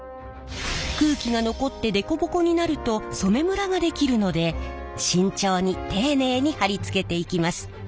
空気が残ってデコボコになると染めむらが出来るので慎重に丁寧に貼り付けていきます。